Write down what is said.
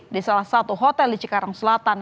di salah satu hotel di cikarang selatan